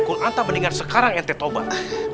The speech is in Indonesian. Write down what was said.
kulantar mendingan sekarang ente tobat